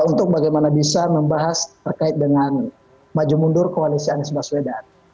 untuk bagaimana bisa membahas terkait dengan maju mundur koalisi anies baswedan